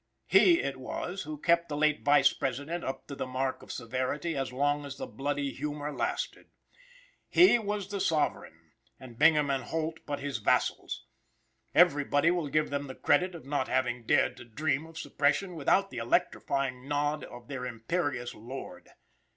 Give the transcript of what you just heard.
He it was who kept the late Vice President up to the mark of severity as long as the bloody humor lasted. He was the sovereign, and Bingham and Holt but his vassals. Everybody will give them the credit of not having dared to dream of suppression without the electrifying nod of their imperious lord.